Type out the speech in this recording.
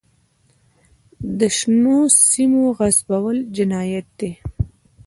د شنو سیمو غصبول جنایت دی.